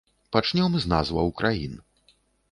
Пачнём з назваў краін.